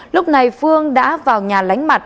lúc này phương đã vào nhà lánh mặt